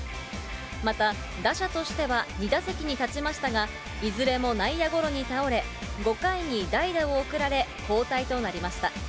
また、打者としては２打席に立ちましたが、いずれも内野ゴロに倒れ、５回に代打を送られ、交代となりました。